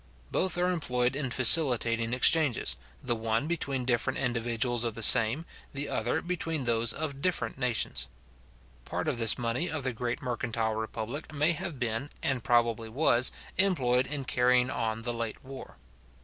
Both are employed in facilitating exchanges, the one between different individuals of the same, the other between those of different nations. Part of this money of the great mercantile republic may have been, and probably was, employed in carrying on the late war.